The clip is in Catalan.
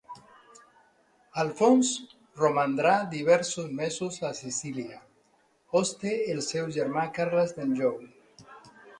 Alfons romandrà diversos mesos a Sicília, hoste del seu germà Carles d'Anjou.